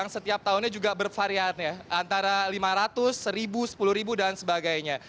mereka juga bervariantnya antara lima ratus seribu sepuluh dan sebagainya